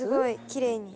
きれいに。